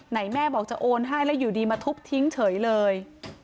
แม่บอกจะโอนให้แล้วอยู่ดีมาทุบทิ้งเฉยเลย